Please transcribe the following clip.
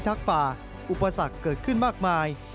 พิทักษ์ป่าอุปสรรคเกิดขึ้นมากมาย